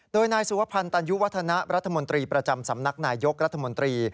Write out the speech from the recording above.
โดยนายสุวพันธ์ตันยุวัฒนะรัฐมนตรีประจำสำนักนายยกรัฐมนตรี